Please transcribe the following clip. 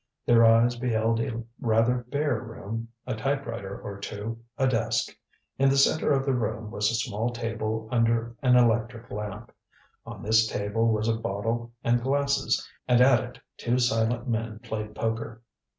Their eyes beheld a rather bare room, a typewriter or two, a desk. In the center of the room was a small table under an electric lamp. On this table was a bottle and glasses, and at it two silent men played poker.